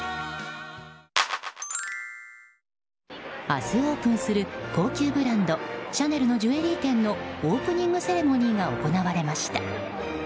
明日オープンする高級ブランド、シャネルのジュエリー店のオープニングセレモニーが行われました。